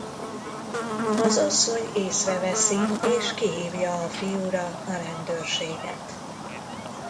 Az asszony észreveszi és kihívja a fiúra a rendőrséget.